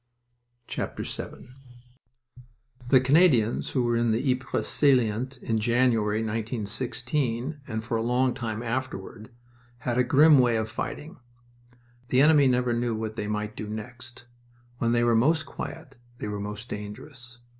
VII The Canadians who were in the Ypres salient in January, 1916, and for a long time afterward, had a grim way of fighting. The enemy never knew what they might do next. When they were most quiet they were most dangerous.